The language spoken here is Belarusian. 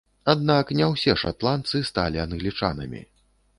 Аднак не ўсе шатландцы сталі англічанамі.